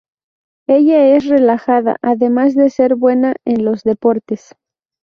Ella es relajada, además de ser buena en los deportes.